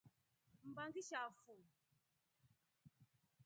Mba ngishafu.